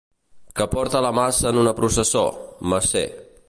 Que porta la maça en una processó, macer.